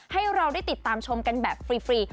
ให้เราได้ติดตามชมกันแบบฟรี